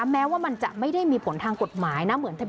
แม้มันจะไม่มีผลภัณฑ์กฏหมาย